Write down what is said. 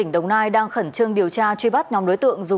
với hơn hai mươi bị can trên dưới một mươi tám tuổi